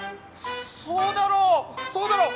そうだろ？